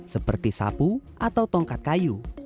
seperti sapu atau tongkat kayu